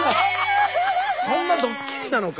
そんなドッキリなのか？